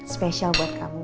special buat kamu